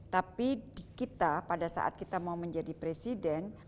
tapi kita pada saat kita mau menjadi presiden